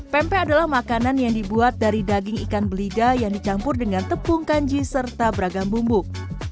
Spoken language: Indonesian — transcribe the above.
pempek adalah makanan yang dibuat dari daging ikan belida yang dicampur dengan tepung kanji serta beragam bumbuk